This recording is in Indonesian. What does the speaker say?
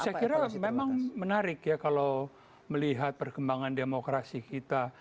saya kira memang menarik ya kalau melihat perkembangan demokrasi kita